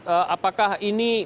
ee apakah ini